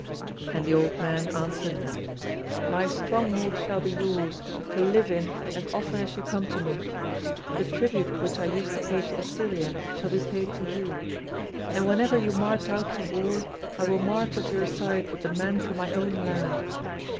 And the old man answered: "My stronghold shall be yours, to live in as often as you come to me; the tribute which I used to pay to Assyria shall be paid to you; and whenever you march out to war, I will march at your side with the men from my own land.